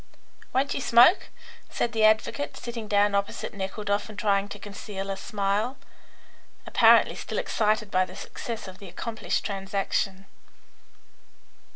"Won't you smoke?" said the advocate, sitting down opposite Nekhludoff and trying to conceal a smile, apparently still excited by the success of the accomplished transaction.